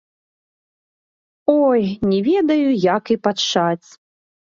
Ой, не ведаю, як і пачаць.